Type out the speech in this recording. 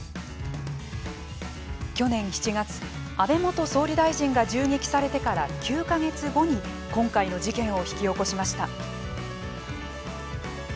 去年７月、安倍元総理大臣が銃撃されてから９か月後に今回の事件を引き起こしました。